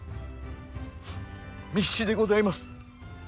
密旨でございます。